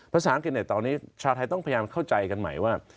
ภาษาอังกฤษตอนนี้ชาวไทยต้องพยายามเข้าใจกันใหม่ว่า